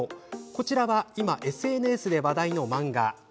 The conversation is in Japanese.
こちらは今ＳＮＳで話題の漫画。